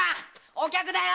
お客だよ！